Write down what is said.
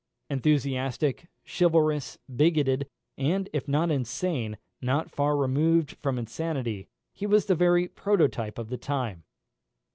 Enthusiastic, chivalrous, bigoted, and, if not insane, not far removed from insanity, he was the very prototype of the time.